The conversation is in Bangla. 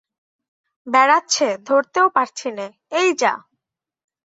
বেড়াচ্ছে, ধরতেও পারছিনে, এই যা।